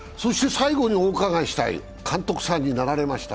最後にお伺いしたい、監督さんになられました。